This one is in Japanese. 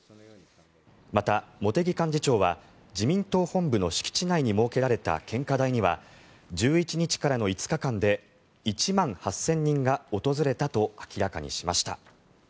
また、茂木幹事長は自民党本部の敷地内に設けられた献花台には１１日からの５日間で１万８０００人が訪れたと明らかにしました。